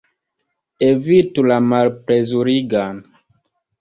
Evitu la malplezurigan!